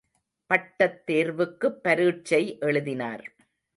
பட்டத் தேர்வுக்குப் பரீட்சை எழுதினார்.